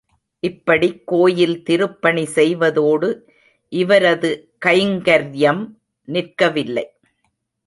இப்படிக் கோயில் திருப்பணி செய்வதோடு இவரது கைங்கர்யம் நிற்கவில்லை.